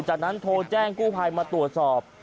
จากนั้นโทรแจ้งกู้ภัยมาตรวจสอบ